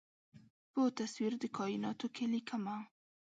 په تصویر د کائیناتو کې ليکمه